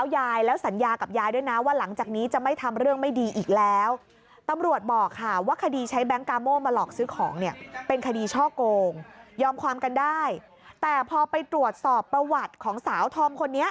ยอมความกันได้แต่พอไปตรวจสอบประวัติของสาวทอมคนนี้